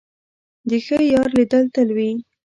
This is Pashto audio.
د ښه یار لیدل تل وي.